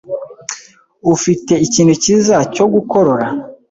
Ufite ikintu cyiza cyo gukorora?